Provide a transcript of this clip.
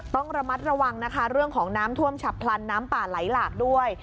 ต้องระมัดระวังนะคะเรื่องของน้ำท่วมฉับพลันน้ำป่าไหลหลากด้วย